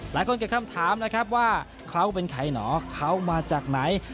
หลายคนเกิดคำถามนะครับว่าเขาเป็นใครหนอเขามาจากไหน